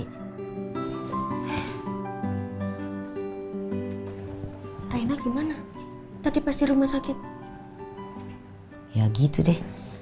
ya gitu deh rina itu pas di rumah sakit ya gitu deh rina itu pas di rumah sakit ya gitu deh rina itu pas di rumah sakit ya gitu deh